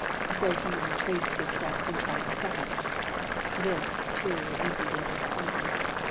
So he retraced his steps and tried the second. This, too, ended in disappointment.